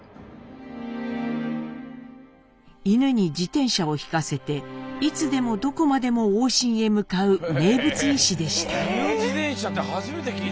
犬に自転車を引かせていつでもどこまでも往診へ向かう名物医師でした。